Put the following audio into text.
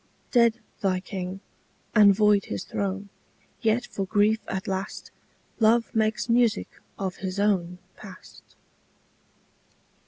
Dead thy king, and void his throne: Yet for grief at last Love makes music of his own Past.